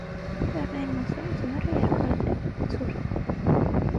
Լեռնային մասերում ձմեռը երկարատև է, ցուրտ։